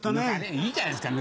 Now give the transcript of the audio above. いいじゃないですか。